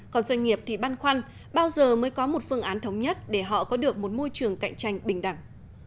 còn doanh nghiệp thì băn khoăn bao giờ mới có một phương án thống nhất để họ có được một môi trường cạnh tranh bình đẳng